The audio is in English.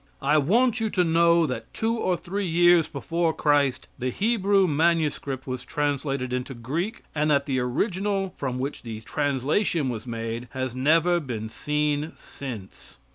I want you to know that two or three years before Christ, the Hebrew manuscript was translated into Greek, and that the original from which the translation was made, has never been seen since.